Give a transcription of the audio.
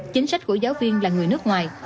chính sách của giáo viên là người nước ngoài